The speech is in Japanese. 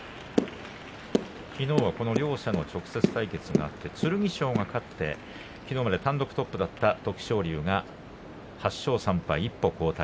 きのうはこの両者の直接対決があって、剣翔が勝ってきのうまで単独トップだった徳勝龍が８勝３敗、一歩後退。